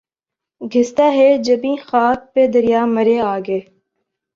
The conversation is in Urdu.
گھستا ہے جبیں خاک پہ دریا مرے آگے